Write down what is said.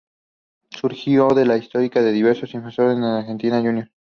Surgido de las históricas divisiones inferiores de Argentinos Juniors.